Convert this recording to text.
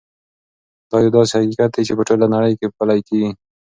دا یو داسې حقیقت دی چې په ټوله نړۍ کې پلی کېږي.